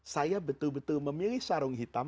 saya betul betul memilih sarung hitam